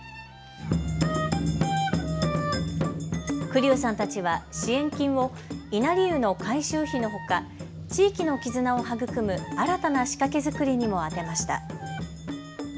栗生さんたちは支援金を稲荷湯の改修費のほか地域の絆を育む新たな仕掛け作りにも充てました。